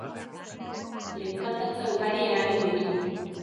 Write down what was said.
Lekualdatze ugari eragin ditu.